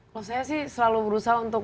kalau saya sih selalu berusaha untuk